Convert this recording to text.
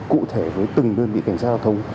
cụ thể với từng đơn vị cảnh sát giao thông